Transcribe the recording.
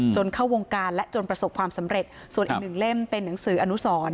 เข้าวงการและจนประสบความสำเร็จส่วนอีกหนึ่งเล่มเป็นหนังสืออนุสร